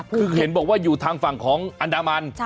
คือเห็นบอกว่าอยู่ทางฝั่งของอันดามัน